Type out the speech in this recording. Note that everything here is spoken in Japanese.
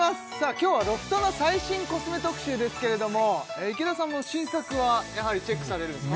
今日はロフトの最新コスメ特集ですけれども池田さんも新作はやはりチェックされるんですか？